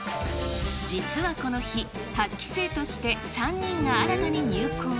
実はこの日、８期生として３人が新たに入校。